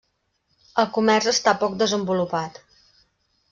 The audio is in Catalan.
El comerç està poc desenvolupat.